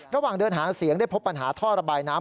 ระหว่างเดินหาเสียงได้พบปัญหาท่อระบายน้ำ